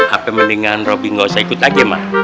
apa mendingan robi gak usah ikut lagi mak